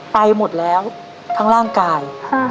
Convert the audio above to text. ไปหมดแล้วทั้งร่างกาย